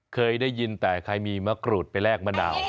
เคยได้ยินแต่ใครมีมะกรูดไปแลกมะนาว